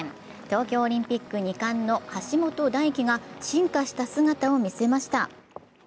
東京オリンピック２冠の橋本大輝が進化した姿を見せました。